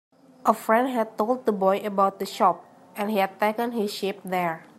A friend had told the boy about the shop, and he had taken his sheep there.